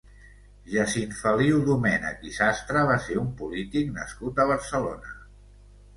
Jacint Feliu Domènech i Sastre va ser un polític nascut a Barcelona.